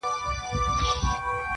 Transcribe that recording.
دا د مرګي له چېغو ډکه شپېلۍ!!